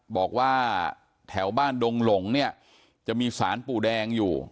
บอกว่าแถวบ้านดงหลงเนี่ยจะมีสารปู่แดงอยู่